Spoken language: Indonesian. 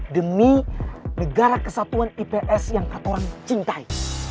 demi negara kesatuan ips yang ketoran cintai